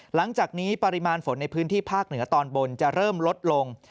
หลังจากนี้ปริมาณฝนในพื้นที่ภาคเหนือตอนบนจะเริ่มลดลง